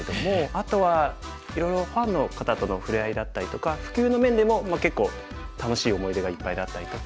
あとはいろいろファンの方との触れ合いだったりとか普及の面でも結構楽しい思い出がいっぱいだったりとか。